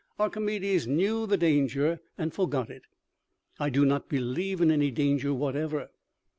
Archimedes knew the danger and forgot it ; I do not believe in any danger whatever.